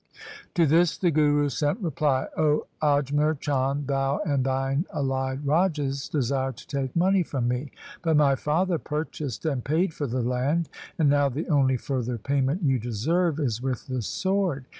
To this the Guru sent reply, ' O Ajmer Chand, thou and thine allied rajas desire to take money from me ; but my father purchased and paid for the land and now the only further payment you deserve is with the sword.